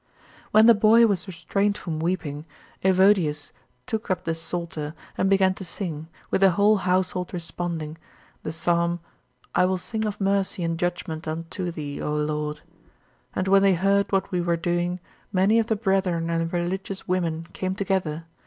31. When the boy was restrained from weeping, Evodius took up the Psalter and began to sing, with the whole household responding, the psalm, "I will sing of mercy and judgment unto thee, O Lord." And when they heard what we were doing, many of the brethren and religious women came together.